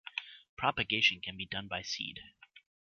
Propagation can be done by seed.